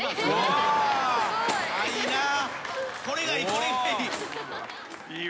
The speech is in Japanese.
これがいい。